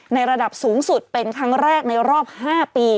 ระดับสูงสุดเป็นครั้งแรกในรอบ๕ปี